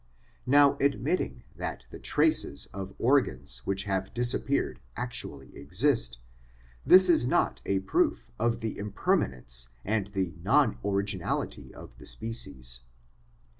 Now, admitting that the traces of organs which have disappeared actually exist, this is not a proof of the impermanence and the non originality of the species.